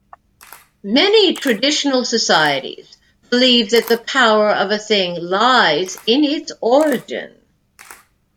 Many traditional societies believe that the power of a thing lies in its origin.